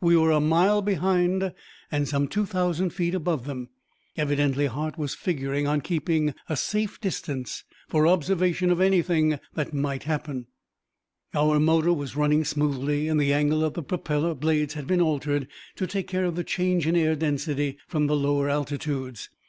We were a mile behind and some two thousand feet above them. Evidently Hart was figuring on keeping at a safe distance for observation of anything that might happen. Our motor was running smoothly and the angle of the propeller blades had been altered to take care of the change in air density from the lower altitudes.